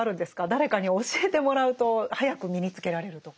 誰かに教えてもらうと早く身につけられるとか。